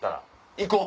行こう。